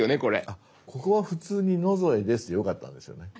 あっここは普通に「野添です」でよかったんですよね。